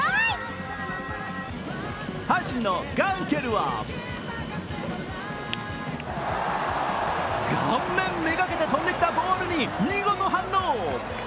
阪神のガンケルは顔面目がけて飛んできたボールに見事反応。